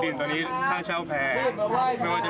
แล้วมันไม่ใช่แค่นี้